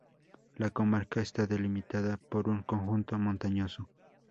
La comarca está delimitada por un conjunto montañoso.